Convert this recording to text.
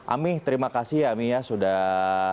ami terima kasih ya ami ya sudah